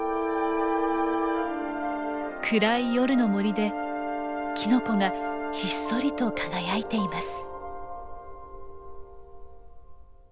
暗い夜の森でキノコがひっそりと輝いています。